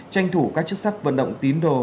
tranh thủ các chất sắc vận động tín đồ